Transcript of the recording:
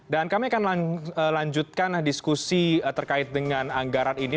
dan kami akan lanjutkan diskusi terkait dengan anggaran ini